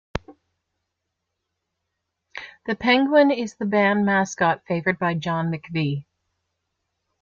The penguin is the band mascot favoured by John McVie.